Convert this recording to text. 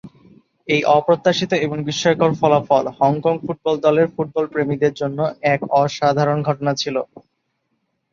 এই অপ্রত্যাশিত এবং বিস্ময়কর ফলাফল, হংকং ফুটবল দলের ফুটবল প্রেমীদের জন্য এক অসাধারণ ঘটনা ছিল।